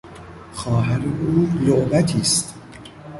خواهر او لعبتی است!